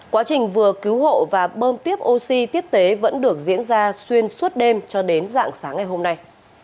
quá trình vừa cứu hộ và bơm tiếp oxy tiếp tế vẫn được diễn ra xuyên suốt đêm cho đến dạng sáng ngày hôm nay